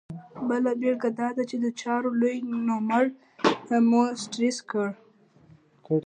بله بېلګه دا ده چې د چارو لوی نوملړ مو سټرس کړي.